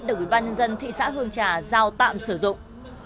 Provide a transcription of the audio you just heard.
được ủy ban nhân dân thị xã hương trà giao tạm sử dụng